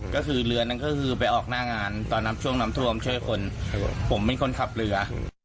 ก็คือเรือนั้นก็คือไปออกหน้างานตอนนั้นช่วงน้ำท่วมช่วยคนผมเป็นคนขับเรือ